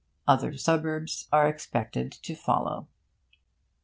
Other suburbs are expected to follow.